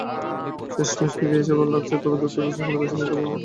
শেষমেশ ফিরে এসে ভালো লাগছে, তবে দুঃখের বিষয় হলো, বেশিদিন থাকবো না।